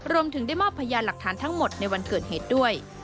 รวมถึงได้มอบพยานหลักฐานทั้งหมดในวันเกิดเหตุด้วย